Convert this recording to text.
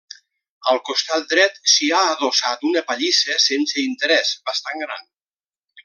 Al costat dret s'hi ha adossat una pallissa sense interès, bastant gran.